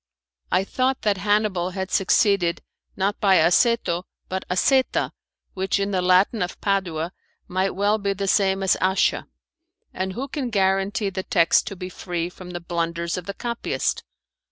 I thought that Hannibal had succeeded not by aceto, but aceta, which in the Latin of Padua might well be the same as ascia; and who can guarantee the text to be free from the blunders of the copyist?